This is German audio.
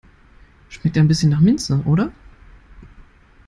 Schmeckt ein bisschen nach Minze, oder?